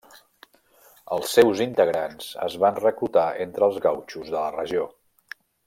Els seus integrants es van reclutar entre els gautxos de la regió.